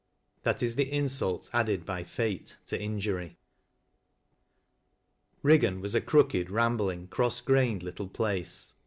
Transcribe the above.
That is the ins lit added by Fate if injury. Eiggan was a crooked, ramblxug, cross grained little place.